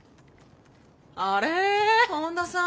あれ本田さん